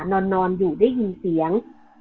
นอนอยู่ได้ยินเสียง